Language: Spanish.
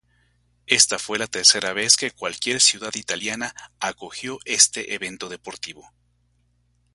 Esta fue la tercera vez que cualquier ciudad italiana acogió este evento deportivo.